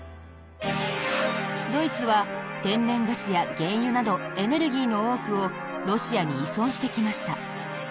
ドイツは天然ガスや原油などエネルギーの多くをロシアに依存してきました。